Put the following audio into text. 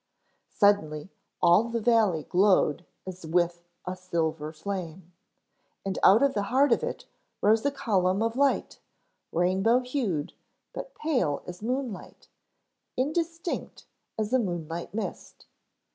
Suddenly all the valley glowed as with a silver flame. And out of the heart of it rose a column of light, rainbow hued but pale as moonlight, indistinct as a moonlight mist.